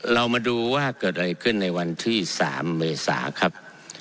เรามาดูว่าเกิดอะไรขึ้นในวันที่๓เมษาครับ